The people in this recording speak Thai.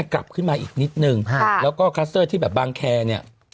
กลับขึ้นมาอีกนิดนึงแล้วก็คัสเตอร์ที่แบบบางแคร์เนี่ย